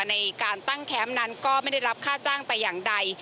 ในการตั้งแคมป์นั้นก็ไม่ได้รับค่าจ้างแต่อย่างใด